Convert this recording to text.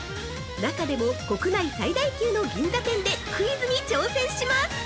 中でも国内最大級の銀座店でクイズに挑戦します！